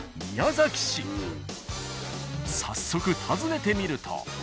早速訪ねてみると。